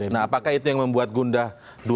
nah apakah itu yang membuat gundah dua ratus dua belas